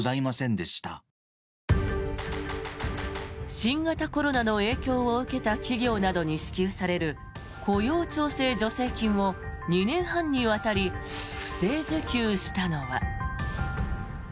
新型コロナの影響を受けた企業などに支給される雇用調整助成金を２年半にわたり不正受給したのは。